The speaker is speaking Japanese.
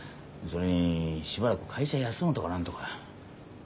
それにしばらく会社休むとか何とか。